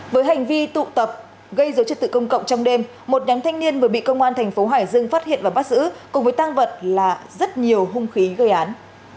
với hành vi tụ tập gây dấu chất tự công cộng trong đêm một nhóm thanh niên vừa bị công an thành phố hải dương phát hiện và bắt giữ cùng với tăng vật là rất nhiều hung khí gây án